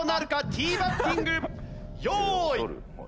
ティーバッティング。用意。